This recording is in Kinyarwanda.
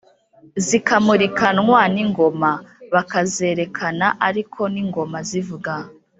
Zikamurikanwa n’ingoma: Bakazerekana ari ko n’ingoma zivuga.